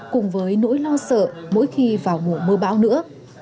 cùng với nỗi lo sợ mỗi khi vào mùa mưa bão nữa